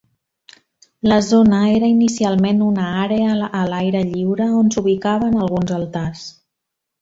La zona era inicialment una àrea a l'aire lliure on s'ubicaven alguns altars.